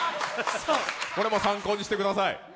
これも参考にしてください。